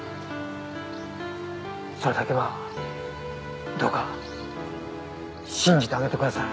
それだけはどうか信じてあげてください。